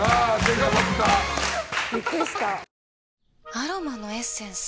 アロマのエッセンス？